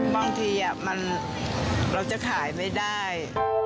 บางทีเราจะขายไม่ได้